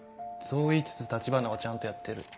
そう言いつつ橘はちゃんとやってる。